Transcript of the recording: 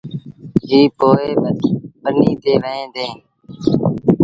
ائيٚݩ پو ٻنيٚ تي وهيݩ ديٚݩ۔